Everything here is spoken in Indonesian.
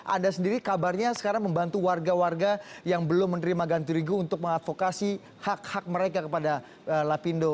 anda sendiri kabarnya sekarang membantu warga warga yang belum menerima ganti rugi untuk mengadvokasi hak hak mereka kepada lapindo